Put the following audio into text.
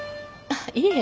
いえ。